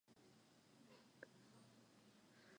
La producción de los chips Alpha fue licenciada a Samsung.